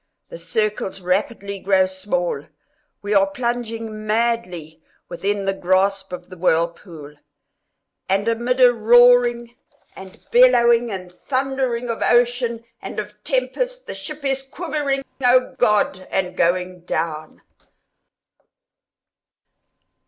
The circles rapidly grow small—we are plunging madly within the grasp of the whirlpool—and amid a roaring, and bellowing, and thundering of ocean and of tempest, the ship is quivering—oh God! and—going down.